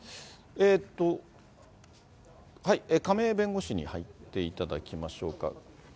亀井弁護士に入っていただきましょうか。